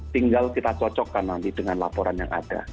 tinggal kita cocokkan nanti dengan laporan yang ada